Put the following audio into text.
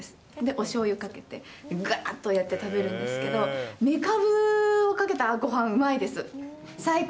おしょうゆかけて、ぐわーっとやって食べるんですけど、めかぶをかけたごはんうまいです。